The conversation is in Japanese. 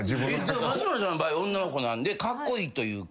松村さんの場合女の子なんでカッコイイというか。